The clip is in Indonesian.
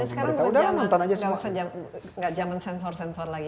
dan sekarang sudah zaman enggak zaman sensor sensor lagi